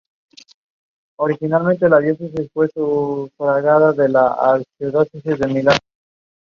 Her mother was Sally Mayo.